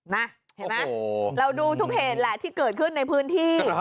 เห็นไหมเราดูทุกเหตุแหละที่เกิดขึ้นในพื้นที่